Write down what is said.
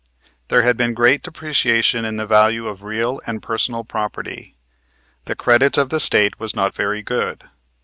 There had been great depreciation in the value of real and personal property. The credit of the State was not very good.